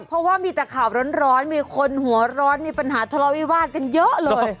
เพราะว่ามีแต่ข่าวร้อนมีคนหัวร้อนมีปัญหาทะเลาวิวาสกันเยอะเลย